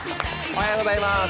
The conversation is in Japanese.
おはようございます。